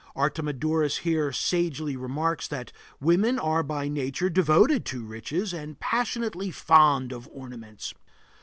Artemidorus here sagely remarks that women are by nature devoted to riches and passionately fond of ornaments.